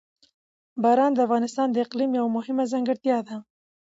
باران د افغانستان د اقلیم یوه مهمه ځانګړتیا ده.